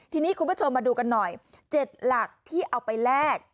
ทีนี้คุณผู้ชมมาดูกันหน่อย๗หลักที่เอาไปแลก